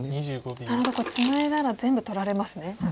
なるほどこれツナいだら全部取られますね。